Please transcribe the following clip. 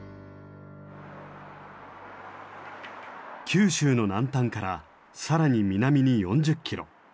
九州の南端から更に南に４０キロ。